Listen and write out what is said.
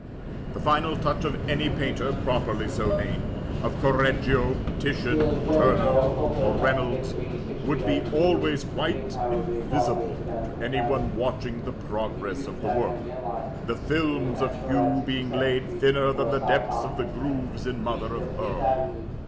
The final touch of any painter properly so named, of Correggio Titian Turner or Reynolds would be always quite invisible to any one watching the progress of the work, the films of hue being laid thinner than the depths of the grooves in mother of pearl.